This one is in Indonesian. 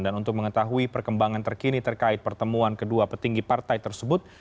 dan untuk mengetahui perkembangan terkini terkait pertemuan kedua petinggi partai tersebut